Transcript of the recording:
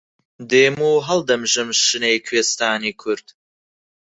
دێم و هەڵدەمژم شنەی کوێستانی کورد